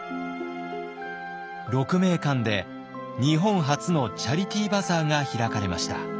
鹿鳴館で日本初のチャリティバザーが開かれました。